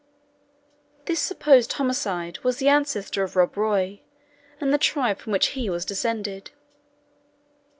This supposed homicide was the ancestor of Rob Roy, and the tribe from which he was descended.